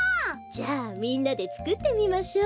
じゃあみんなでつくってみましょ。